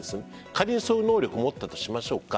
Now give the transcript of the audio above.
仮にその能力を持ったとしましょうか。